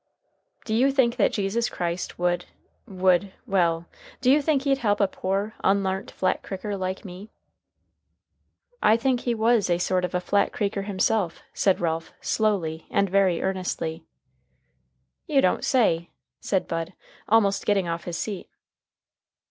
"Do you think that Jesus Christ would would well, do you think he'd help a poor, unlarnt Flat Cricker like me?" "I think he was a sort of a Flat Creeker himself," said Ralph, slowly and very earnestly. "You don't say?" said Bud, almost getting off his seat.